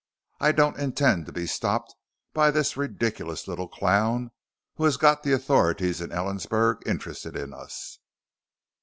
I don't intend to be stopped by this ridiculous little clown who has got the authorities in Ellensburg interested in us."